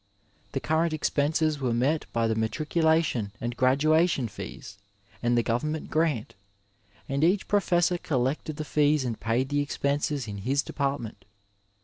The current ex penses were met by the matriculation and graduation fees and the government grant, and each professor cdlected the fees and paid the expenses in his department.